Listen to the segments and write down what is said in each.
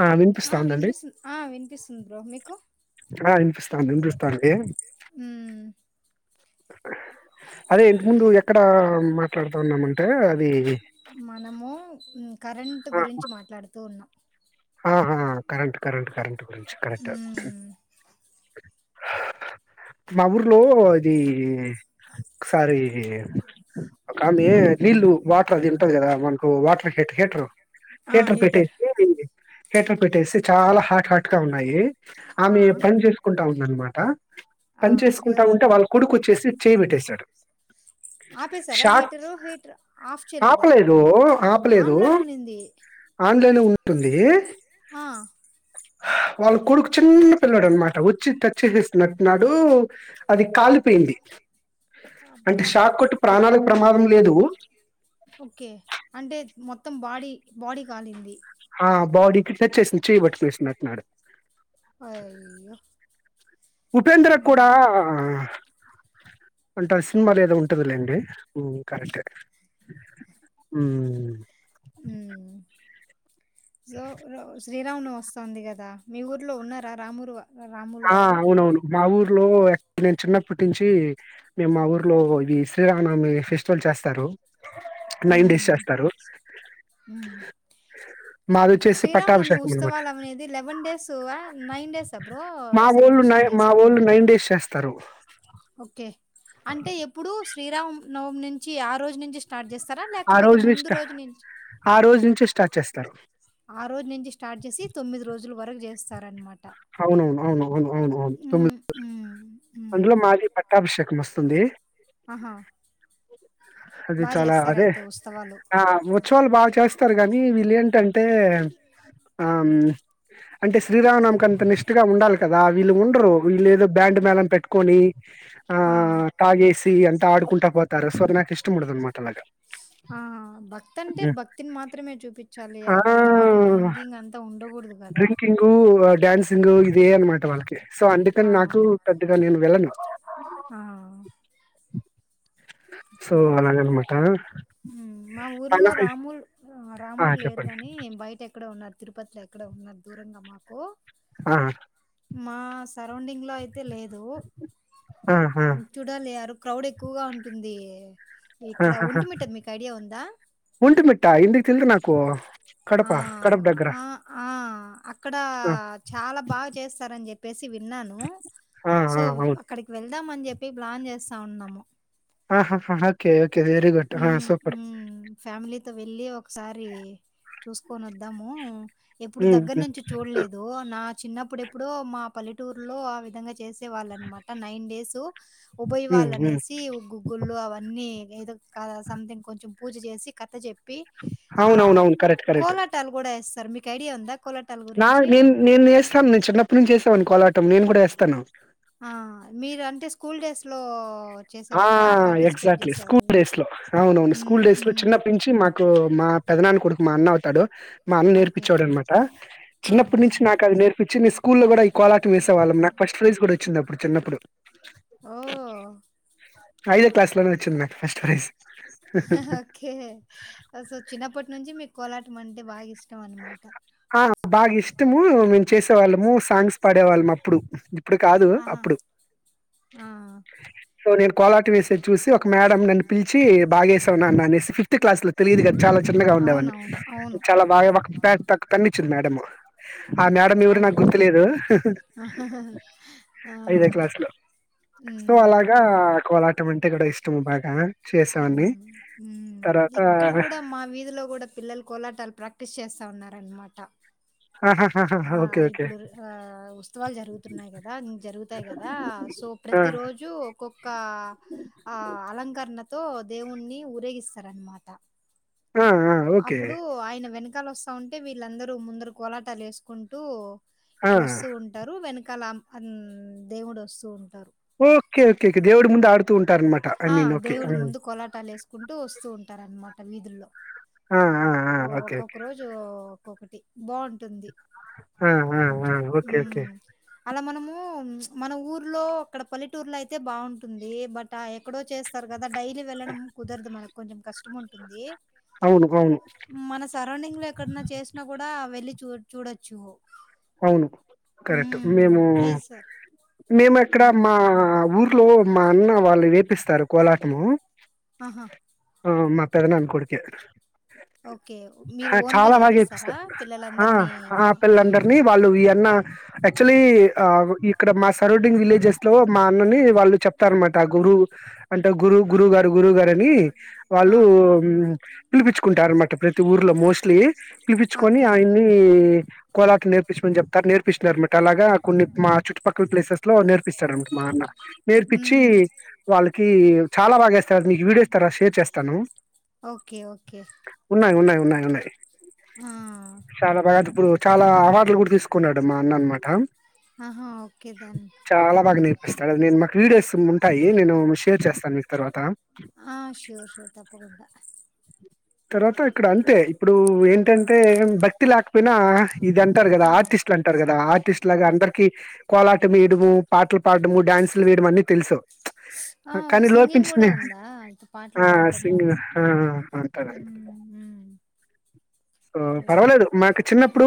ఆ వినిపిస్తా ఆ ఉందండి వినిపిస్తుం ఆ వినిపిస్తుంది బ్రో మీకు ఆ ఇనిపిస్తాంది ఇనిపిస్తాంది ఉమ్ అదే ఇంత ముందు ఎక్కడ మాట్లాడుతాన్నామంటే అది, మనము కరెంట్ గురించి మాట్లాడుతూ ఉన్నాం ఆహా కరెంట్ కరెంట్ కరెంట్ గురించి కరెక్ట్ మ్మ్. మా ఊర్లో ఇది ఒకసారి ఒక ఆమె నీళ్లు వాటర్ అది ఉంటది కదా మనకు వాటర్ హీట హీటర్ హీటర్ పెట్టేసి వెళ్లింది హీటర్ పెట్టేసి చాలా హాట్ హాట్ గా ఉన్నాయి ఆ, ఆమె పని చేసుకుంటా ఉందన్నమాట ఆ, పని చేసుకుంటా ఎవ్- ఉంటే వాళ్ళ కొడుకు వచ్చేసి చేయి పెట్టేశాడు ఆపేశారా షాక్ హీటరు హీటర్ ఆఫ్ చేయలేదా ఆపలేదు ఆన్ లోనే ఉనింది ఆన్ లోనే ఉన్నట్టుంది ఆ వాళ్ళ కొడుకు చిన్న పిల్లోడు అన్నమాట వచ్చి టచ్ చేసేసినట్టు న్నాడు అది కాలిపోయి యింది అంటే అబ్బా షాక్ కొట్టి ప్రాణానికి ప్రమాదం లేదు ఓకే అంటే మొత్తం బాడీ బాడీ కాలింది ఆ బాడీకి టచ్చేసింది చేయిబట్టి [unintelligible] అట్న్నాడు అయ్యో ఉపేంద్ర మ్మ్. కూడా అంటే ఆ సినిమా లే ఏదో ఉంటదిలేండి కరెక్టే హ్మ్ మ్మ్. సో శ్రీరామనవమి వస్తుంది కదా మీ ఊర్లో ఉన్నారా రాముూరు వా రాములు ఆ వారు అవునవును మాఊరు లో నేను చిన్నప్పటి నుంచి మేము మా ఊర్లో ఇది శ్రీరామనమి ఫెస్టివల్ చేస్తారు నైన్ డేస్ హ్మ్. చేస్తారు హ్మ్. మాది వచ్చేసి శ్రీరామనవమి పట్టాభిషేకం అనమాట ఉత్సవాలు అనేది లెవెన్ డేస్ ఆ నైన్ డేస్ అ బ్రో మా ఊళ్ళో నై సెలబ్రేషన్ మా జేసేది? ఊళ్ళో నైన్ డేస్ చేస్తారు ఓకే. అంటే ఎప్పుడు శ్రీరామనవమి నుంచి ఆ రోజు నుంచి స్టార్ట్ చేస్ ఆ రోజు నుంచి స్ట ఆ రోజు నుంచి స్టార్ట్ చేస్తారు ఆ రోజు నుంచి స్టార్ట్ చేసి తొమ్మిది రోజుల వరకు చేస్తార అనమాట అవునవును అవును అవును అవునువును తొమ్మిది హ్మ్. హ్మ్. అందులో మాది పట్టాభిషేకం వస్తుంది ఆహా అది బా చాలా అదే జేస్తారయితే ఉత్సవాలు. ఆ ఉత్సవాలు బా చేస్తారు గానీ వీళ్ళేంటంటే అంటే ఆ అంటే శ్రీరామనవమికంత ఇక నిష్టగా ఉండాలి కదా వీళ్ళు ఉండరు వీళ్ళేదో బ్యాండ్ మేళం ను పెట్టుకొని ఆ తాగేసి అంతా ఆడుకుంటా పోతారు సో నాకు ఇష్టముండదనమాట అలాగా ఆ భక్తి అంటే హ్మ్. భక్తిని మాత్రమే చూపించాలి ఆ! అదంతా మళ్ళీ డ్రింకింగ్ అంతా ఉండకూడ దు కదా ఉ డ్యాన్సింగ్ ఇదే అనమాట వాళ్ళకి సో అందుకని ఆ! నాకు పెద్దగా నేను వెళ్ళను ఆ! So okay. అలాగనమాట మా ఊర్లో అలా రామూలు ఆ రాముడు లేరు చెప్పండి కాని బయట ఎక్కడో ఉన్నారు తిరుపతిలో ఎక్కడ ఉన్నారు దూరంగా మాకు ఆ మా సరౌండింగ్ లో అయితే లేదు ఆ ఆ చూడాలి ఎరు క్రౌడ్ ఎక్కువగా ఉంటుంది ఇక్కడ ఆహాహ ఒంటిమిట్ట మీకు ఐడియా ఉందా ఒంటిమిట్ట ఎందుకు తెల్వదు నాకు ఆ కడప కడప దగ్గర ఆ ఆ అక్కడ ఆ చాలా బా చేస్తారని చెప్పేసి విన్నాను ఆ ఆ సో అవును అక్కడికి వెళ్దామని చెప్పి ప్లాన్ చేస్తా ఉన్నాము ఆహహ ఓకే ఓకే వెరి గుడ్ ఆ హ్మ్. సూపర్ మరి చూసుకొని వద్దాము ఎప్పుడు దగ్గర ఉమ్ నుంచి చూడలేదు నా చిన్నప్పుడెప్పుడో మా పల్లెటూరులో ఆ విధంగా చేసి డే వాళ్ళనమాట నైన్ డేస్, ఉమ్ ఉబయవాళ్ళు ఉమ్ అనేసి గు గుళ్ళు అవన్నీ ఏదో కాదై సంథింగ్ కొంచెం పూజ చేసి కథ చెప్పి, ఆ అవునవునవును కరెక్ట్ కరెక్ట్ కోలాటాలు కూడా వేస్తార్ మీకు ఐడియా ఉందా కోలాటాల నా గురించి? నేను నేను వేస్తాను నేను చిన్నప్పటి నుంచి వేసేవాన్ని కోలాటం నేను కూడా వేస్తాను ఆ మీరు అంటే స్కూల్ డేస్ లో ఆ ఎగ్జాక్ట్లీ స్కూల్ డేస్ లో అవునవును స్కూల్ హ్మ్. డేస్ లో హ్మ్. చిన్నప్పనుంచి మాకు మా పెదనాన్న కొడుకు మా అన్న అవుతాడు, మా అన్న ఓకే. నేర్పిచ్చేవాడు అనమాట. ఆ! చిన్నప్పటి నుంచి నాకది నేర్పిచ్చి నే స్కూలో కూడా ఈ కోలాటం వేసేవాళ్ళం, నాకు ఫస్ట్ ప్రైజ్ కూడా వచ్చింది అప్పుడు చిన్నప్పుడు ఓ ఐదో క్లాస్ లోనే వచ్చింది నాకు ఫస్ట్ ప్రైస్ ఓకే సో చిన్నప్పటి నుంచి మీకు కోలాటం అంటే బాగా ఇష్టం అనమాట ఆ బాగా ఇష్టము మేము చేసే వాళ్ళము సాంగ్స్ పడే వాళ్ళము అప్పుడు ఇప్పుడు కాదు, ఆహా! అప్పుడు ఆ! సో నేను కోలాటం వేసేది చూసి ఒక మేడం నన్ను పిల్ చి బాగేసావ్ నాన్న అనేసి ఫిఫ్త్ క్లాస్ లో తెలియదు గ చాలా చిన్నగా ఉండేవాడిని, అవునవును. అవును. చాలా బాగా పె త పెన్నిచ్చింది మేడము ఆ మేడం ఎవరో అవు నాకు గుర్తు లేదు, ఆ! ఐదో క్లాసు లో సో హ్మ్. అలాగా కోలాటం అంటే కూడా ఇష్టం భాగా చేసేవాన్ని హ్మ్. హ్మ్. తర్వాత్ ఇక్కడ కూడా మా వీధిలో కూడా పిల్లలు కోలాటాలు ప్రాక్టీస్ చేస్తా ఉన్నారనమాట ఆ! ఆహహా ఇప్పుడు ఆ ఉత్సవాలు జరుగుతున్నాయి కదా, జరుగుతాయి కదా, సో ఆ ప్రతి రోజు ఒక్కొక్క ఆ అలంకరణతో దేవుణ్ణి ఊరేగిస్తారన్నమాట ఆ ఆ ఓకే అప్పుడు ఆయన వెనకాల వస్తా ఉంటే వీళ్ళందరూ ముందర కోలాటాలు వేసుకుంటూ, ఇట్లా ఆ వస్తూ ఉంటారు వెనకాల అన్ దేవుడు వస్తూ ఉం ఓకే ఓకే ఓకే దేవుడు ముందు ఆడుతూ ఉం ఆ దేవుడు ముందు కొలాటాలు వేసుకుంటూ వస్తూ ఉంటారనమాట వీధుల్లో ఆ! ఆ! ఆ! ఓ ఓకే. ఓకే. ఒక్కొక్క రోజు ఒక్కొక్కటి, బాగుంటుంది ఆ! ఆ! ఆ! కొంచెం ఓకే. ఓకే. ఉమ్ అలా మనము మన ఊర్లో అక్కడ పల్లెటూర్లో అయితే బాగుంటుంది బట్ ఆ ఎక్కడో చేస్తారు కద్ ద డైలీ వెళ్ళడం కుదరదు మనకు కొంచెం కష్టం ఉంటుంది అవును. అవును. మన సరౌండింగ్ లో ఎక్కడన్నా చేసినా కూడా వెళ్ళి చూ చూడొచ్చు అవును, కరెక్ట్ హ్మ్ మేము ఈ సార్ మేమక్కడ హ్మ్ మా ఊర్లో మా అన్న వాళ్ళు వేపిస్తారు కోలాటము ఆహా ఆ మా పెదనాన్న కొడుకే ఓకే మీరు ఆ ఓన్ గా చాలా బాగా చేపిస్తారా చేపిస్తారు. ఆ పిల్లలందరినీ ఆ ఫోన్ పిల్లందరినీ వాళ్ళు ఈ అన్న యాక్చువలీ, ఇక్కడ మా సరౌండింగ్ విలేజెస్ లో మా అన్నని వాళ్ళు చెప్ త అన్నమాట గురువు అంటే గురు గురువు గారు గురువు గారని అని ఆ వాళ్ళు పిలిపించుకుంటారు అన్నమాట ప్రతి ఊర్లో మోస్ట్లీ పిలిపిచ్చుకొని ఓకే ఆయన్ని కొలా నేర్పిచ్చమని చెప్తారు నేర్పిస్తరనమాట అలాగా కొన్ని మా చుట్టుపక్కల ప్లేసెస్లో నేర్పిస్తడానమాట మా అన్న నేర్పిచ్చి హ్మ్ వాళ్ళకి చాలా బాగా చేస్తారు నీకు వీడియోస్ తర్వాత షేర్ చేస్తాను ఓకే ఓకే ఉన్నాయి ఉన్నాయి ఉన్నాయి ఉన్నాయి ఆ చాలా బాగా [unintelligible] చాలా వాటలు కూడా తీసుకున్నాడు మా అన్న అనమాట ఆహా ఓకే డన్ వస్త నేను మాకు వీడియోస్ ఉంటాయి నేను షేర్ చేస్తాను మీకు తర్వాత ఆ షూర్ షూర్ తప్పకుండా తర్వాత ఇక్కడ అంతే ఇప్పుడు ఏంటంటే భక్తి లేకపోయినా ఇద ఉంటారు కదా ఆ ఆర్టిస్ట్లు అంటారు కదా ఆర్టిస్ట్ లాగా ఆ అందరికి కోలాటం వేయడము పాటలు పాడము డ్యాన్సులు వేయడ అన్ని తెలుసు ఆ కానీ సింగింగ్ లోపించిన కూడా ఉందా ఇ పాటలు ఆ పాడటము సింగ ఆ అంటారు హమ్ హమ్ పర్వాలేదు మాకు చిన్నప్పుడు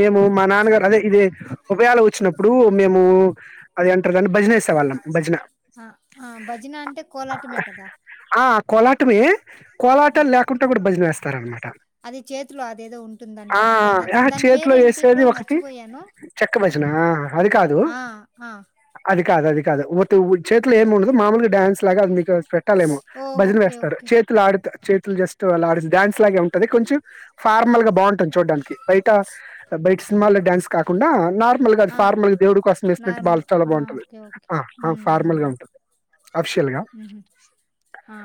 మేము మా నాన్నగారు అదే ఇదే ఉభయాలు వచ్చినప్పుడు మేము అది అంటారు దాన్ని భజనేసే వాళ్ళం భజనా ఆ భజనా అంటే కోలాటమే కదా పాటుమే కోలాటాలు లేకుండా కూడా భజన వేస్తార అనమాట అది చేతిలో అదేదో ఉంటుంది దాన్ని పట్టుకొని దాని ఆ దాని చే ఇట్లో పేరేంటి వేసేది బ్రో ఒకటి మర్చిపోయాను చెక్క భజన అది కాదు ఆ ఆ అది కాదు అది కాదు మత్ చేత్తులు ఏం ఉండదు మామూలుగా డాన్స్ లగా అది మీకు పెట్టాలేమో ఓ భజన ఓకే వేస్తారు ఓకే చేతులు ఆడుత చేతులు జస్ట్ అలా ఆడి డన్స్ లాగ ఉంటది కొంచెం ఫార్మల్ గా బాగుంటుంది చూడానికి బయట బయట సినిమాల్లో డ్యాన్స్ కాకుండా నార్ ఫార్మల్గాది ఆ ఫార్మల్గా దేవుడి కోసం వేసినట్టు బా నార్మల్ చాలా ఆ బాగుంటుది ఓకే ఓకే ఆ హ్మ్ ఫార్మల్ హ్మ్ గా ఉంటుంది ఆ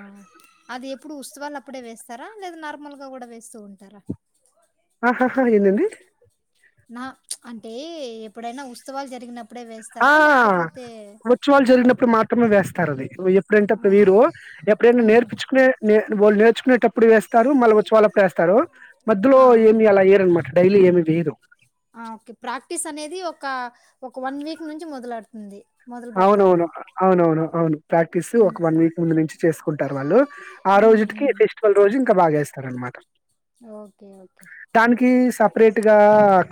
అది ఇప్పుడు ఉత్వాలు అప్పుడే వేస్తారా లేదా నార్మల్ గా కూడా వేస్తూ ఉంటారా ఆహాహా ఏంధి నా అంటే ఎప్పుడైనా ఉత్సవాలు జరిగినప్పుడే ఆ వేస్తారా లేకపోతే ఉత్సవాలు ఆ! జరిగినప్పుడు మాత్రమే వేస్తారు అది ఆ! ఎప్పుడంటేప్పుడు వీరు ఎప్పుడైనా హ్మ్. నేర్పించుకునే వాళ్ళు నేర్చుకునేటప్పుడు వేస్తారు మళ్ళీ వచ్చి వాళ్ళప్పుడు వేస్తారు మధ్యలో ఆ! ఏమి అలా వయరనమాట డైలీ ఏమి వయదు ఆ ఓకే ప్రాక్టీస్ అనేది ఒక ఒక వన్ వీక్ నుంచి మొదలడుతుంది అవునవును అవునవును అవును ప్రాక్టీస్ హ్మ్. ఒక వన్ వీక్ ముందు నుంచి చేసుకుంటారు వాళ్ళు ఆ హ్మ్. రోజుకి హ్మ్. ఫెస్టివల్ రోజు ఇంకా బాస్తారనమాట ఓకే ఓకే సపరేట్ గా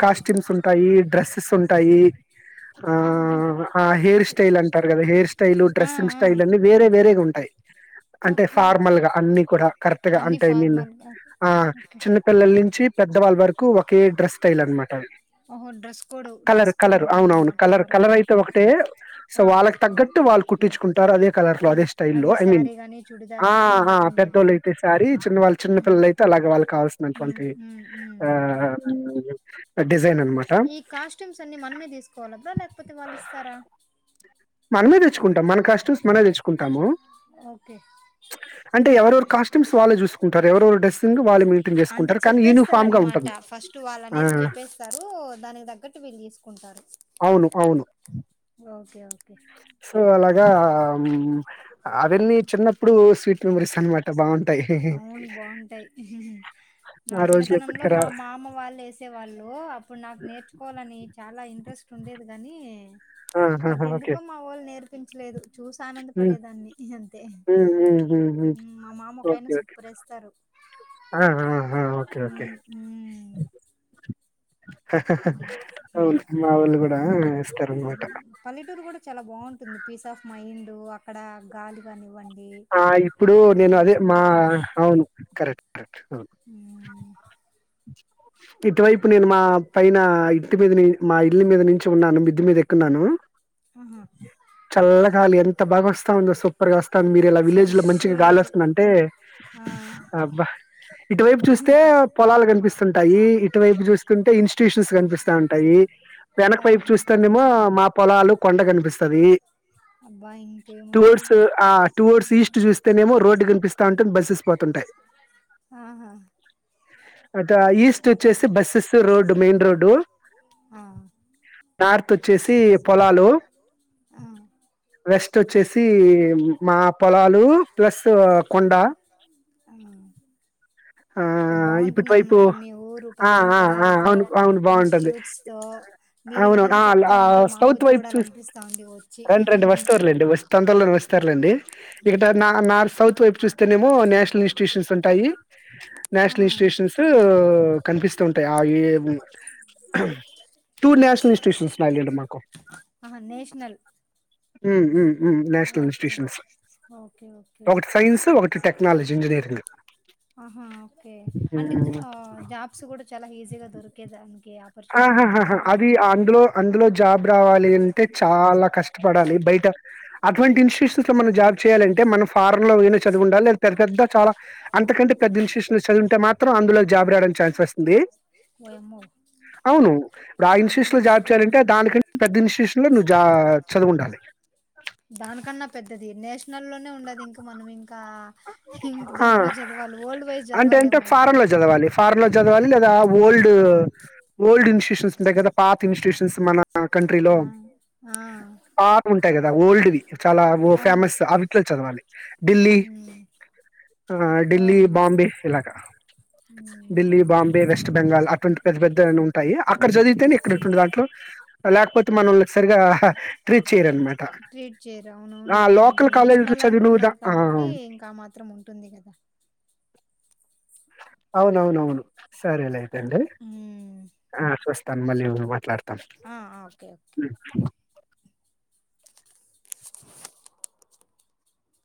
కాస్ట్యూమ్స్ ఉంటాయి డ్రెస్సెస్ ఉంటాయి ఆహా! ఆ హేర్ స్టైల్ స్టై అంటరు కదా హెయిర్ స్టైల్ ఆ! డ్రస్సింగ్ ఆ! స్టైల్ అన్న వేరేగా ఉంటాయి అంటే ఓకే. Formal okay. గా అన్ని కూడా కరెక్ట్ గా అన్ని అంటే ఐ మీన్ ఫార్మల్గా ఆ ఓకే చిన్నపిల్లల నుంచి పెద్దవాళ్ళ వరకు ఒకే డ్రెస్ స్టైల్ అనమాట ఓహో dress code colour dress code colour అవునవును ఉంటుందిన్నమాట కలర్ కలర్ అయితే ఒకటే సో వాళ్ళకి తగ్గట్టు వాళ్ళు కుట్టించుకుంటారు అది కలర్ లో ఉమ్, అదే స్టైలె అది ఐ మీన్ శారీ గాని చుడిదార్ గాని ఎనీథింగ్ ఏదైనా పెద్దోళ్ళయితే సారీ చిన్న వాళ్ళ చిన్న ఉమ్ పిల్లలు అయితే అ అగ వాళ్ళు ఉమ్ కావాల్సినటువంటి ఉమ్ ఉమ్ ఆ డిజైన్ అనమాట ఈ కాస్ట్యూమ్స్ అన్ని మనమే తీసుకోవాలదా లేకపోతే వాళ్ళు ఇస్తారా మనమే తెచ్చుకుంటాం మన కాస్ట్యూమ్స్ మన తెచ్చుకుంటాము ఓకే అంట ఎవరు కాస్ట్యూస్ వాళ్ళ చూసుకుంటారు ఎవరు డెసింగ్ వాళ మీద అంటే చెప్పేస్తార అనమాట ఫస్ట్ వాళ్ళ ఆ! అనేది చెప్పేస్తారు దానికి తగ్గట్టు వీళ్ళు తీసుకుంట చడు అవును అవును ఓకే ఓకే సో అలాగా అవన్నీ చిన్నప్పుడు స్వీట్ మెమరీస్ అనమాట బాగుంట అవును బాగుంటాయి నా ఆ రోజులు చిన్నతనంలో ఇప్పటికి రా మా మామ వాళ్ళు వేసే వాళ్ళు అప్పుడు నాకు నేర్చుకోవాలని చాలా ఇంట్రెస్ట్ ఉండేది గానీ ఆహాహా! But okay. ఎందుకో మా వాళ్ళు నేర్పించలేదు చూసి ఆనంద హ్మ్. పడేదాన్ని అంతే హ్మ్. హ్మ్. హ్మ్. హ్మ్. మా మామ పైన ఓకే. ఓకే. సుప్పురేస్తారు ఆ! ఆ! ఆ! ఓకే. ఓకే. ఉమ్ ఉమ్ అహా హాఅవును మా వొళ్ళు కూడా ఆ, ఇస్తారన్నమాట పల్లెటూరు కూడా చాలా బాగుంటుంది పీస్ ఆఫ్ మైండ్ అక్కడ గాలి కానివ్వండి అహ్ ఇప్పుడు ఆ నేను అదే మా చుట్టుపక్కల అవును కరెక్ట్ అవును ఉమ్, [inaudible] ఇటువైపు నేను మా పైన ఇంటి మీద మా ఇల్లు మీద నుంచి ఉన్నాను మీ ద్ద మీద ఎక్కున్నాను ఆహా చల్లగాలి ఎంత బాగా వస్తాందో సూపర్గా వస్తాంది మీ విలేజ్ లో ఫ్రెష్ మంచిగా గాలి ఎయిర్ వస్తుందంటే ఆ అబ్బా ఇటువైపు చూస్తే పొలాలు కనిపిస్తుంటాయి ఇటువైపు చూస్తుంటే ఇన్స్టిట్యూషన్స్ కనిపిస్తా ఉంటాయి వెనక వైపు ఆహా చూస్తాండేమో మా పొలాలు కొండ కనిపిస్తది అబ్బా ఇంకేముంది టువోర్డ్స్ ఈస్ట్ చూస్తేనేమో రోడ్డు కనిపిస్తా ఉంటుంది బస్సెస్ పోతుంటాయి ఆహా అటు ఆ ఈస్ట్ వచ్చేసి బసెస్, రోడ్డు మెయిన్ రోడ్డు. ఆ [inaudible] నార్త్ వచ్చేసి పొలాలు ఆ వెస్ట్ వచ్చేసి మా పొలాలు ప్లస్ కొండ ఆహ్ బాగుంటుంద ఇపుటువైపు అన్నమాట మీ ఊరు ఆ! పచ్చని ఆ! ఆ! పొలాలతో అవును. అవును. బావుంటది. ఇన్స్టిట్యూట్స్తో తో మీరు ఈ అవును విధంగా చెప్తా ఉంటే మాకు సౌత్ వైపు చూ చూడాలనిపిస్తా ఉంది వచ్చి రం రండి వస్తవుర్లుండి వ తొందరలో వస్తు ండి ఇక్కడ నా నార్త్ సౌత్ వైపు చూస్తేనేమో నేషనల్ ఇన్స్టిట్యూషన్స్ ఉంటాయి ఆ నేషనల్ ఇన్స్టిట్యూషన్స్ కనిపిస్తూ ఉంటాయి ఆ ఈ టూ నేషనల్ ఇన్స్టిట్యూషన్స్ ఉన్నాయి అండి మాకు ఆహా నేషనల్ ఉమ్ ఉమ్ ఉ national okay institutions okay okay ఒకటి సైన్స్ ఒకటి టెక్నాలజీ ఇంజనీరింగ్ ఆహా ఓకే అంటే జాబ్స్ కూడా చాలా ఈజీగా దొరికేదానికి ఆపర్చునిటీ ఉంటుంది ఆహాహహా కదా అది అందులో అందులో జాబ్ రావాలి అంటే చాలా కష్టపడాలి బయట అటువంటి ఇన్స్టిట్యూషన్స్ లో మనం జాబ్ చేయాలంటే మనం ఫారన్ లో చదువు ఉండాలి లే పెద్ద పెద్ద చాలా అంతకంటే పెద్ద ఇన్స్టుషన్లో చదివుంటే మాత్రం అందులో జాబు రాేయనికి ఛాన్స్ వస్తుంది ఓయమ్మో అవును ఇప్పుడు ఆ ఇన్స్టిట్యూషన్ లో జాబ్ చేయాలంటే దానికంటే పెద్ద ఇన్స్టిట్యూషన్ లో నువ్వు చదివి ఉండాలి దానికన్నా పెద్దది నేషన లోనే ఉండదు ఇంకా మనం ఇంకా అహ్ ఇంక ఆ! దేంట్లో చదవాలి వఓల్డ్ వైజ్ అంటే అంటే చదవాలేమో అయితే ఫారెన్‌లో చదవాలి. ఫారెన్‌లో చదవాలి ఓల్డ్, ఓల్డ్ ఇన్ ూన్స్ ఉంటాయి కదా పాత ఇన్స్టిట్యూషన్స్ మన కంట్రీలో ఆ ఆ పాత ఉంటాయి కదా ఓల్డ్ ది చాలా ఫేమస్ అవిట్లో చదవాలి హమ్ అహ్ ఢిల్లీ బాంబే ఇలాగా ఉమ్, ఢిల్లీ, బాంబే, వెస్ట్ బెంగాల్ అటువంటి పెద్ద పెద్ద ఉంటాయి అక్కడ చదివితేనే ఇక్కడంటి దాంట్లో లేకపోతే మనల్ని సరిగా ట్రీట్ చేయరనమాట ట్రీట్ చేయరు అవున ఆ అవునులేండి ఇంకా లోకల్ న కాలేజీలో నేషనల్ చదివి నువ్వు దా- అంటున్నారు ఆ, కాబట్టి ఇంకా మాత్రం ఉంటుంది కదా అవునవునవును సరేలే అండి ఉమ్, చూస్తాను మళ్ళ మాట్లాడతను ఆ ఆ, ఓకే ఓకే [inaudible]